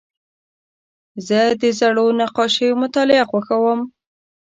زه د زړو نقاشیو مطالعه خوښوم.